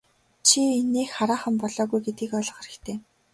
Чи инээх хараахан болоогүй гэдгийг ойлгох хэрэгтэй.